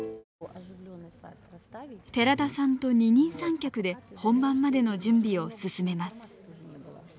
寺田さんと二人三脚で本番までの準備を進めます。